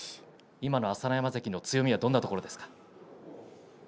今の朝乃山関の強みはどんなところですか？